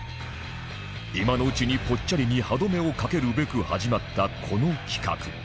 今のうちにポッチャリに歯止めをかけるべく始まったこの企画